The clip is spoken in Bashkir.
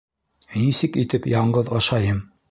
Нисек итеп яңғыҙ ашайым!